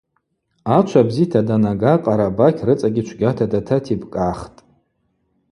Ачва бзита данага Къарабакь рыцӏагьи чвгьата дататибкӏгӏахтӏ.